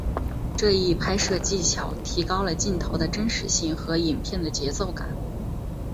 这一拍摄技巧提高了镜头的真实性和影片的节奏感。